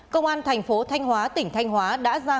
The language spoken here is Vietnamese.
công an thành phố thanh hóa tỉnh thanh hóa đã ra